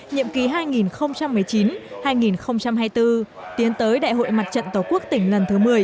nhiệm kỳ hai nghìn một mươi chín hai nghìn hai mươi bốn tiến tới đại hội mặt trận tổ quốc tỉnh lần thứ một mươi